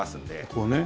こうね。